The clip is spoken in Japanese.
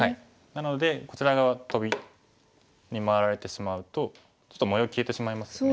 なのでこちら側トビに回られてしまうとちょっと模様消えてしまいますよね。